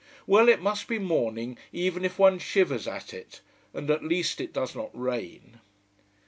Well, it must be morning, even if one shivers at it. And at least it does not rain.